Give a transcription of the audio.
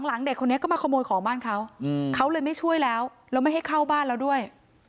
เด็กคนนี้ก็มาขโมยของบ้านเขาเขาเลยไม่ช่วยแล้วแล้วไม่ให้เข้าบ้านแล้วด้วย